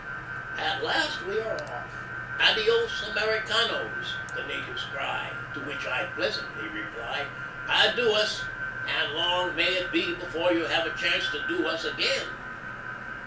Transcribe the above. At last we are off. "Adios, Americanos!" the natives cry; to which I pleasantly reply, "ADOUS! and long may it be before you have a chance to Do us again."